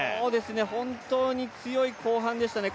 本当に強い後半でしたね。